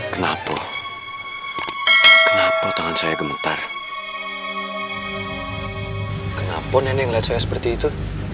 kenapa kenapa tangan saya gemetar kenapa nenek saya seperti itu